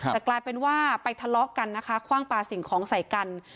แต่กลายเป็นว่าไปทะเลาะกันนะคะคว่างปลาสิ่งของใส่กัน